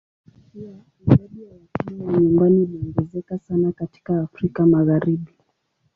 Pia idadi ya watumwa wa nyumbani iliongezeka sana katika Afrika Magharibi.